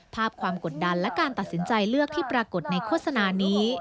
ภาพความกดดันและการตัดสินใจเลือกที่ปรากฏในโฆษณานี้